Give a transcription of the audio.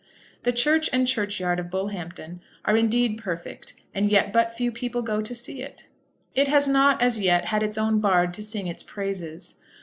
The church and churchyard of Bullhampton are indeed perfect, and yet but few people go to see it. It has not as yet had its own bard to sing its praises.